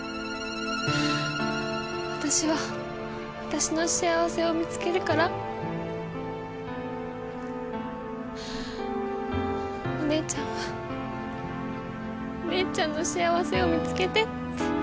私は私の幸せを見つけるからお姉ちゃんはお姉ちゃんの幸せを見つけてって。